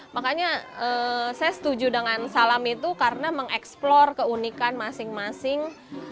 makanya saya setuju dengan salam itu karena mengeksplor keunikan masing masing